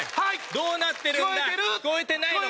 どうなってるんだ？